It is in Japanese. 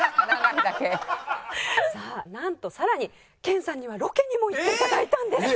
さあなんとさらに研さんにはロケにも行って頂いたんです。